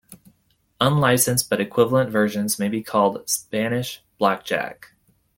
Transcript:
Unlicensed, but equivalent, versions may be called Spanish blackjack.